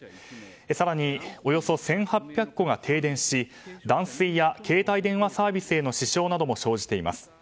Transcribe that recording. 更におよそ１８００戸が停電し断水や携帯電話サービスへの支障なども生じています。